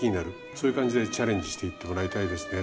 そういう感じでチャレンジしていってもらいたいですね。